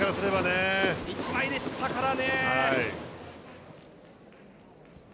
１枚でしたからね。